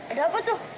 ada apa tuh